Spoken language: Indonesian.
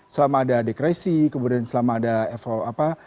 selama ada dekresi kemudian selama ada evaluasi apa